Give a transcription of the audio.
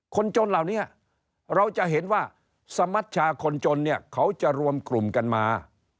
คนจนเหล่านี้เราจะเห็นว่าสมัชชาคนจนเนี่ยเขาจะรวมกลุ่มกันมา